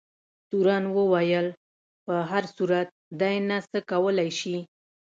تورن وویل په هر صورت دی نه څه کولای شي.